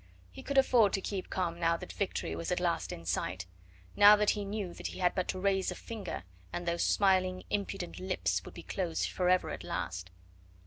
He could afford to keep calm now that victory was at last in sight, now that he knew that he had but to raise a finger, and those smiling, impudent lips would be closed forever at last.